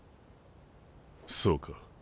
そうか。